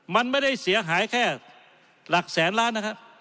มันไม่ได้เสียหายแค่หลักแสนล้านนะครับ